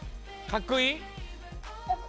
かっこいい！